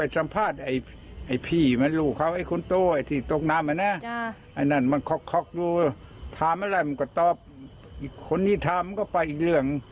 ถามอะไรมันก็ตอบคนที่ถามก็ไปอีกเรื่อง